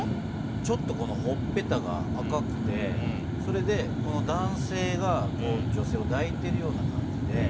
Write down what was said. ちょっとほっぺたが赤くてそれでこの男性がこう女性をだいてるような感じで。